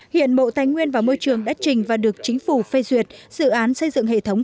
hiện bộ tài nguyên và môi trường đã trình và được chính phủ phê duyệt dự án xây dựng hệ thống